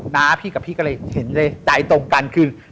น้าพี่กับพี่ก็เลยเห็นเลยใจตรงกันคือ